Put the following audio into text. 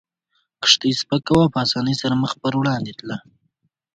کښتۍ سپکه وه او په اسانۍ سره مخ پر وړاندې تله.